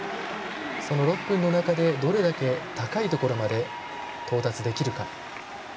その６分の中でどれだけ高いところまで到達できるか。